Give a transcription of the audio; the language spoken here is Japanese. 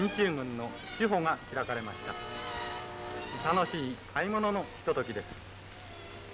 「楽しい買い物のひとときです」。